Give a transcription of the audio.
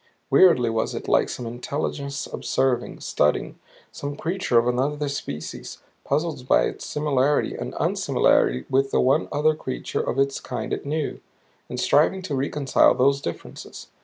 Weirdly was it like some intelligence observing, studying, some creature of another species puzzled by its similarity and unsimilarity with the one other creature of its kind it knew, and striving to reconcile those differences.